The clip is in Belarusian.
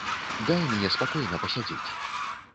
Дай мне спакойна пасядзець.